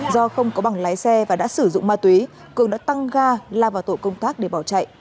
do không có bằng lái xe và đã sử dụng ma túy cường đã tăng ga la vào tổ công tác để bỏ chạy